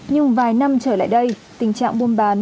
nhưng vài năm trở lại đây tình trạng buôn bán